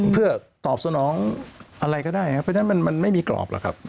เพื่อตอบสนองอะไรก็ได้ครับเพราะฉะนั้นมันไม่มีกรอบหรอกครับ